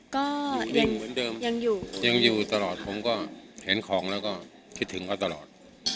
ก็ยังอยู่ยังอยู่ตลอดผมก็เห็นของแล้วก็คิดถึงเขาตลอด